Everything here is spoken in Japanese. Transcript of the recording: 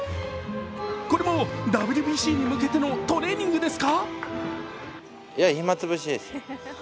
これもＷＢＣに向けてのトレーニングですか？